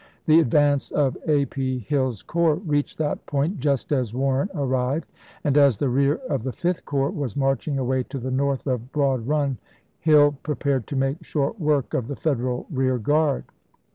The advance of A. P. Hill's corps reached that point just as Warren arrived, and as the rear of the Fifth Corps was marching away to the north of Broad Run, Hill prepared to make short work of the Federal rear guard.